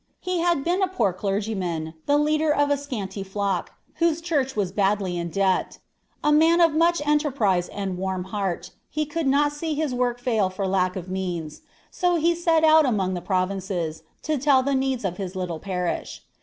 He had been a poor clergyman, the leader of a scanty flock, whose church was badly in debt. A man of much enterprise and warm heart, he could not see his work fail for lack of means; so he set out among the provinces, to tell the needs of his little parish.